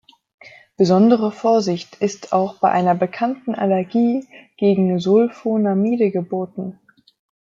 Besondere Vorsicht ist auch bei einer bekannten Allergie gegen Sulfonamide geboten.